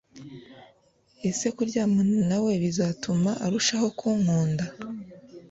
Ese kuryamana na we bizatuma arushaho kunkunda